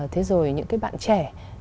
thế rồi những cái bạn trẻ